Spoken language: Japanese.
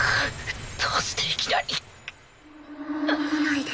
どうしていきなり。来ないで。